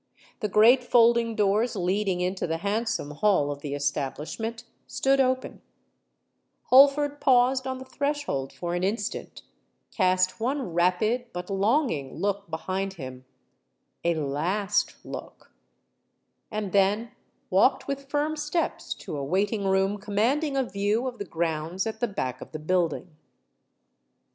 The great folding doors leading into the handsome hall of the establishment stood open:—Holford paused on the threshold for an instant—cast one rapid but longing look behind him—a last look—and then walked with firm steps to a waiting room commanding a view of the grounds at the back of the building.